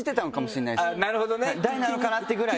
大なのかなっていうぐらい。